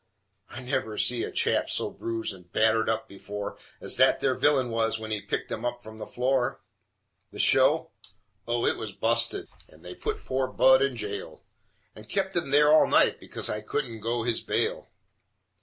I never see a chap so bruised and battered up before As that there villain was when he was picked up from the floor! The show? Oh, it was busted, and they put poor Budd in jail, And kept him there all night, because I couldn't go his bail.